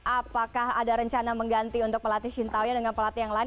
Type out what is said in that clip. apakah ada rencana mengganti untuk pelatih shin taoyo dengan pelatih yang lain